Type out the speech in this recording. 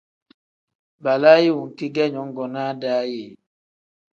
Balaayi wenki ge nyongonaa daa ye ?